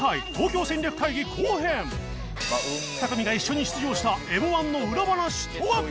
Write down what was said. ２組が一緒に出場した Ｍ−１ の裏話とは？